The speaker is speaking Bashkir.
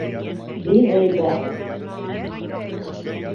Биғәйбә.